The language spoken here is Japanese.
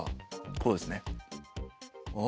こうですね。